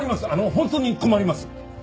本当に困ります！